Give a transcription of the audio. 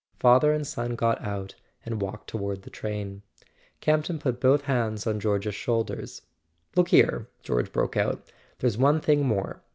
Father and son got out and walked toward the train. Campton put both hands on George's shoulders. "Look here," George broke out, "there's one thing more.